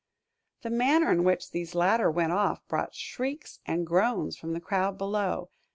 The manner in which these latter went off brought shrieks and groans from the crowd below.